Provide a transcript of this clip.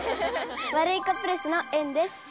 ワルイコプレスのえんです。